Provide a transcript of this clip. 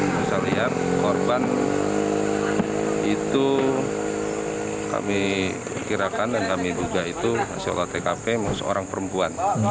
misalnya korban itu kami kirakan dan kami duga itu hasil olah tkp seorang perempuan